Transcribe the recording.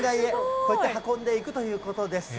こうやって運んでいくということです。